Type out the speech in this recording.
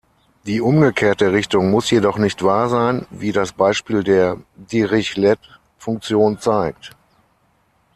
Die umgekehrte Richtung muss jedoch nicht wahr sein, wie das Beispiel der Dirichlet-Funktion zeigt.